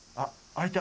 開いた。